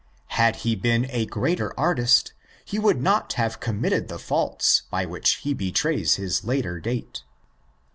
Had he been a greater artist, he would not have committed the faults by which he betrays his later date.